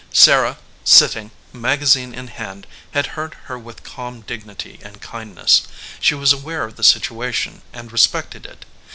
Sarah sitting, magazine in hand, had heard her with calm dignity and kindness. She was aware of the situation and respected it.